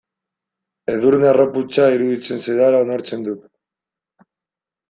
Edurne harroputza iruditzen zaidala onartzen dut.